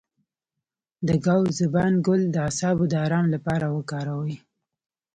د ګاو زبان ګل د اعصابو د ارام لپاره وکاروئ